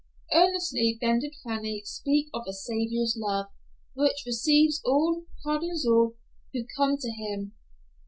Earnestly then did Fanny speak of a Savior's love, which receives all, pardons all, who come to him.